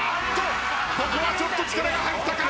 ここはちょっと力が入ったか。